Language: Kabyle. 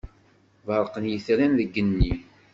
Berrqen yitran deg igenni.